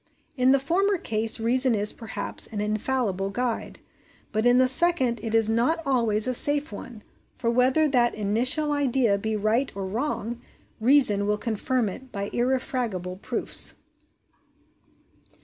In the former case reason is, perhaps, an infallible guide, but in the second it is not always a safe one ; for whether that initial idea be right or wrong, reason will confirm it by irrefragable proofs.